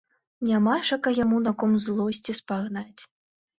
Нямашака яму на ком злосці спагнаць.